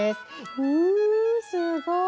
うんすごい！